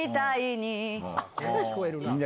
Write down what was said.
聞こえるな。